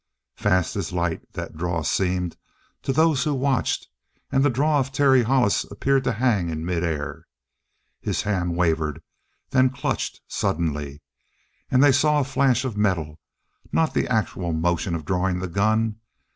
Fast as light that draw seemed to those who watched, and the draw of Terry Hollis appeared to hang in midair. His hand wavered, then clutched suddenly, and they saw a flash of metal, not the actual motion of drawing the gun.